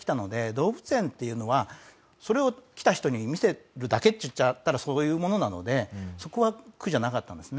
動物園っていうのはそれを来た人に見せるだけって言っちゃったらそういうものなのでそこは苦じゃなかったんですね。